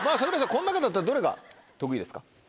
この中だったらどれが得意ですか？